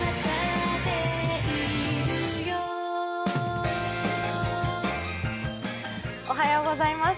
メロメロおはようございます。